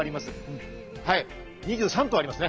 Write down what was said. ２３棟ありますね。